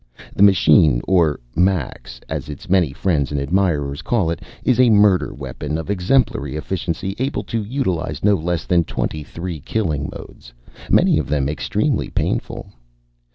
The machine, or Max, as its many friends and admirers call it, is a murder weapon of exemplary efficiency, able to utilize no less than twenty three killing modes, many of them extremely painful.